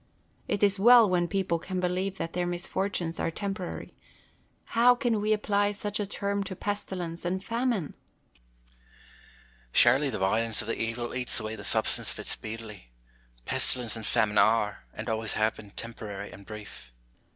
It is well when people can believe that their misfortunes are temporary. How can we apply such a term to pesti lence and famine ] 122 IMA GIN A R V CON VERS A TIONS. Philip Savage. Surely the violence of the evil eats away the substance of it speedily. Pestilence and famine are, and always have been, temporary and brief.